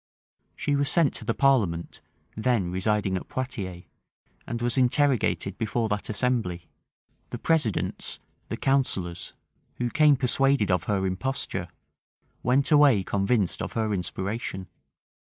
She was sent to the parliament, then residing at Poictiers; and was interrogated before that assembly: the presidents, the counsellors, who came persuaded of her imposture, went away convinced of her inspiration.